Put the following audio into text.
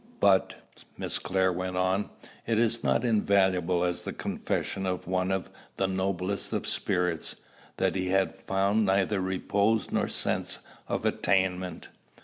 "But," Miss Clare went on, "is it not invaluable as the confession of one of the noblest of spirits, that he had found neither repose nor sense of attainment?"